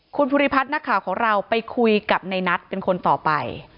คุณภูริพัฒน์นักข่าวของเราไปคุยกับในนัทเป็นคนต่อไป